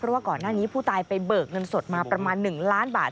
ว่าก่อนหน้านี้ผู้ตายไปเบิกเงินสดมาประมาณ๑ล้านบาท